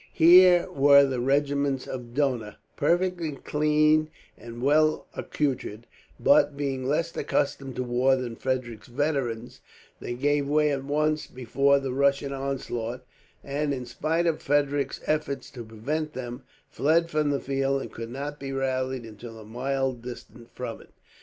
Here were the regiments of Dohna, perfectly clean and well accoutred; but, being less accustomed to war than Frederick's veterans, they gave way at once before the Russian onslaught and, in spite of Frederick's efforts to prevent them, fled from the field and could not be rallied until a mile distant from it.